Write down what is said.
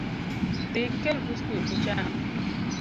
Dhi ikel buskut ucham